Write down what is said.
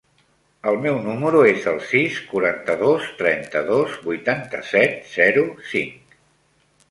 El meu número es el sis, quaranta-dos, trenta-dos, vuitanta-set, zero, cinc.